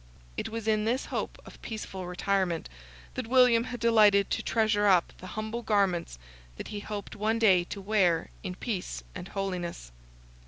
It was in this hope of peaceful retirement, that William had delighted to treasure up the humble garments that he hoped one day to wear in peace and holiness.